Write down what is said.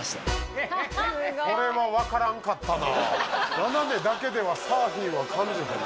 斜めだけではサーフィンは感じへん。